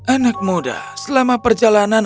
anak muda selama perjalanan